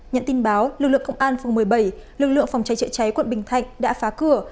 nhận tin báo lực lượng công an phường một mươi bảy lực lượng phòng cháy chữa cháy quận bình thạnh đã phá cửa